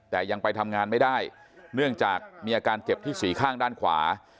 แต่ยังไปทำงานไม่ได้เนื่องจากมีอาการเจ็บที่สี่ข้างด้านขวา